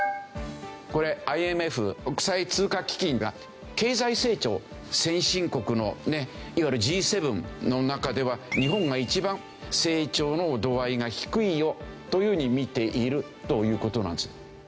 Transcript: これＩＭＦ国際通貨基金が経済成長先進国のねいわゆるＧ７の中では日本が一番成長の度合いが低いよというふうに見ているという事なんです。